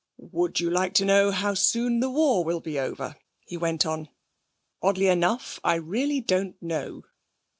'Would you like to know how soon the war will be over?' he went on. 'Oddly enough, I really don't know!'